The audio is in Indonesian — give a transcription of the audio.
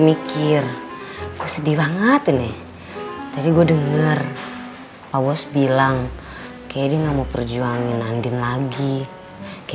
mikir sedih banget ini tadi gue denger awas bilang kayaknya mau perjuangin andin lagi ke